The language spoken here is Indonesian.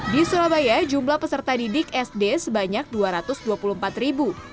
di surabaya jumlah peserta didik sd sebanyak dua ratus dua puluh empat ribu